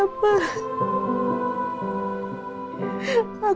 aku mau peluk dia pak